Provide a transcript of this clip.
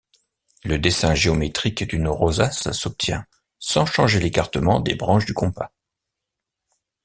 Le dessin géométrique d'une rosace s’obtient sans changer l’écartement des branches du compas.